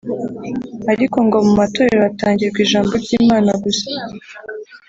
ariko ngo mu matorero hatangirwa ijambo ry’Imana gusa